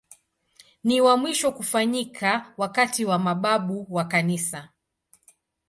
Ni wa mwisho kufanyika wakati wa mababu wa Kanisa.